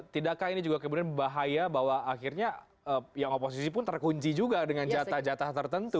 tidakkah ini juga kemudian bahaya bahwa akhirnya yang oposisi pun terkunci juga dengan jatah jatah tertentu